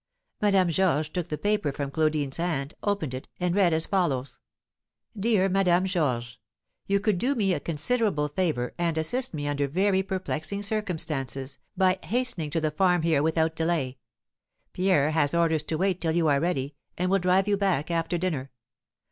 Madame Georges took the paper from Claudine's hand, opened it and read as follows: "MY DEAR MADAME GEORGES: "You could do me a considerable favour, and assist me under very perplexing circumstances, by hastening to the farm here without delay. Pierre has orders to wait till you are ready, and will drive you back after dinner.